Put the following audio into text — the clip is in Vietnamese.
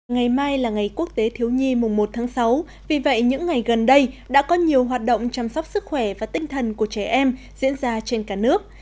ngày mai là ngày quốc tế thiếu nhi mùng một tháng sáu vì vậy những ngày gần đây đã có nhiều hoạt động chăm sóc sức khỏe và tinh thần của trẻ em diễn ra trên cả nước